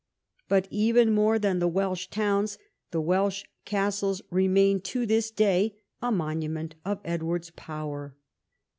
But even more than the Welsh towns, the Welsh castles remain to this day a monument of Edward's power.